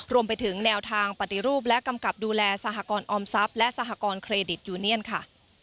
รวมไปถึงแนวทางปฏิรูปและกำกับดูแลสหกรออมทรัพย์และสหกรณเครดิตยูเนียนค่ะ